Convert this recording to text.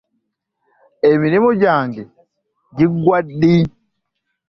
Emirimu gyange giriggwa ddi?